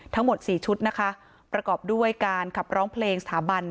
ทั้งหมด๔ชุดนะคะประกอบด้วยการขับร้องเพลงสถาบัน